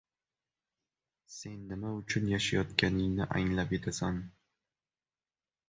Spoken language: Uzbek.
Sen nima uchun yashayotganingni anglab yetasan.